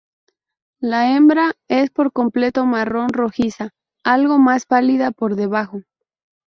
La hembra es por completo marrón rojiza, algo más pálida por debajo.